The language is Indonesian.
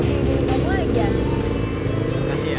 ini cepet banget tuh